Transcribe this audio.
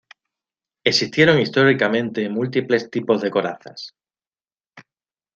Existieron históricamente múltiples tipos de corazas.